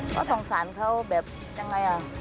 ก็สงสารเขาแบบยังไงอ่ะ